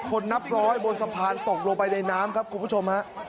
นับร้อยบนสะพานตกลงไปในน้ำครับคุณผู้ชมฮะ